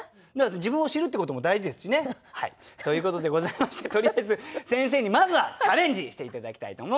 自分を知るってことも大事ですしね。ということでございましてとりあえず先生にまずはチャレンジして頂きたいと思います。